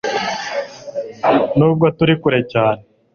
nubwo turi kure cyane